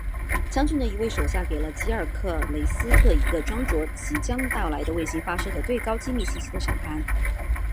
将军的一位手下给了吉尔克雷斯特一个装着即将到来的卫星发射的最高机密信息的闪盘。